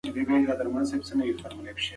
دوی به د میاشتې سل افغانۍ له شاګردانو څخه اخلي.